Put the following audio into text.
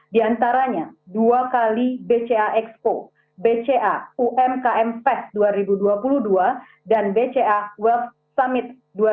diantaranya dua x bca expo bca umkm fest dua ribu dua puluh dua dan bca wealth summit dua ribu dua puluh dua